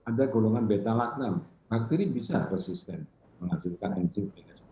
ada golongan beta lactam bakteri bisa resisten menghasilkan enzim